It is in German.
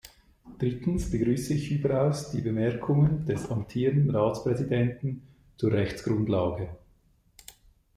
Drittens begrüße ich überaus die Bemerkungen des amtierenden Ratspräsidenten zur Rechtsgrundlage.